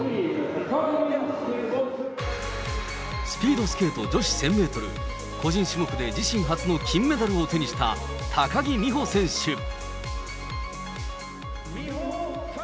スピードスケート女子１０００メートル、個人種目で自身初の金メダルを手にした高木美帆選手。